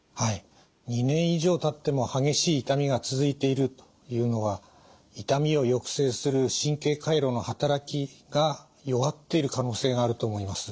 ２年以上たっても激しい痛みが続いているというのは痛みを抑制する神経回路の働きが弱っている可能性があると思います。